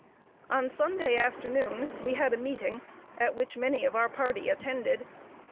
On Sunday afternoon, we had a meeting, at which many of our party attended.